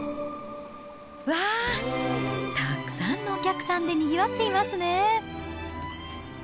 わー、たくさんのお客さんでにぎわっていますね。